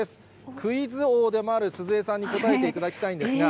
クイズ王でもある鈴江さんに答えていただきたいんですが。